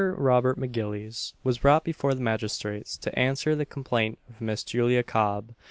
Robert M'Gillies was brought before the magistrates to answer the complaint of Miss Julia Cob.